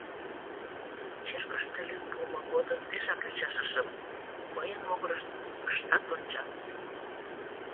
Черкыште лӱм пуымо годым пешак ӱчашышым, мыйын могырыш ыштат ончал.